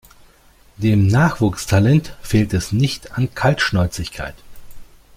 Dem Nachwuchstalent fehlt es nicht an Kaltschnäuzigkeit.